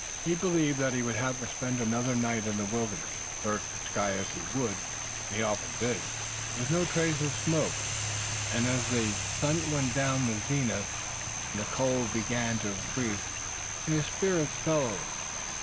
But he believed that he would have to spend another night in the wilderness. Search the sky as he would, and he often did, there was no trace of smoke, and, as the sun went down the zenith and the cold began to increase, his spirits fell a little.